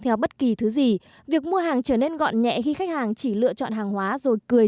theo bất kỳ thứ gì việc mua hàng trở nên gọn nhẹ khi khách hàng chỉ lựa chọn hàng hóa rồi cười